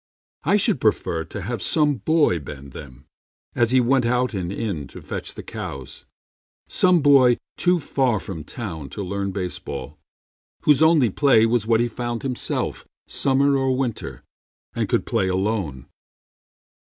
I should prefer to have some boy bend them As he went out and in to fetch the cows Some boy too far from town to learn baseball, Whose only play was what he found himself, Summer or winter, and could play alone.